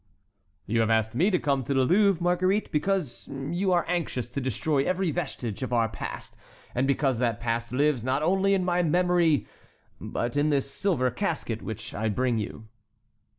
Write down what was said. "You have asked me to come to the Louvre, Marguerite, because you are anxious to destroy every vestige of our past, and because that past lives not only in my memory, but in this silver casket which I bring to you."